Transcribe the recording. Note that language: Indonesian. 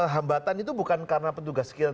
hambatan itu bukan karena petugas kita